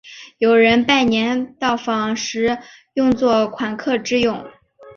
有人拜年到访时用作款客之用。